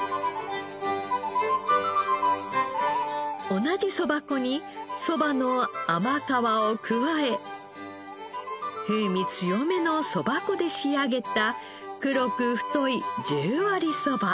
同じそば粉にそばの甘皮を加え風味強めのそば粉で仕上げた黒く太い十割そば。